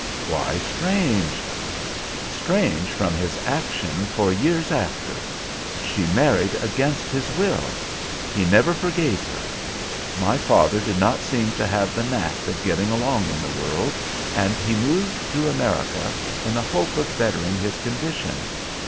"Why strange?" "Strange from his action for years after. She married against his will. He never forgave her. My father did not seem to have the knack of getting along in the world, and he moved to America in the hope of bettering his condition.